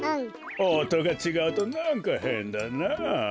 おとがちがうとなんかへんだなあ。